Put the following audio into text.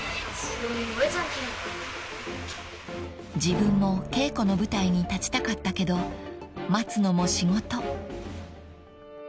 ［自分も稽古の舞台に立ちたかったけど待つのも仕事］